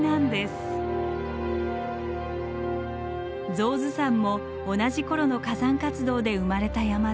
象頭山も同じ頃の火山活動で生まれた山です。